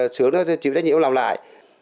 sướng đó chịu đánh nhiễm làm lại